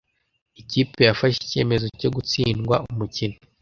Ikipe yafashe icyemezo cyo gutsindwa umukino.